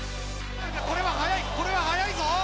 これは速い、これは速いぞ。